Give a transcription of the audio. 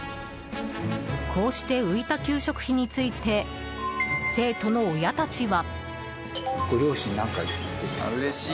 こうして浮いた給食費について生徒の親たちは。